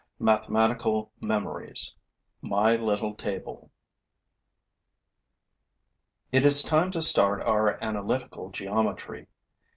MATHEMATICAL MEMORIES: MY LITTLE TABLE It is time to start our analytical geometry.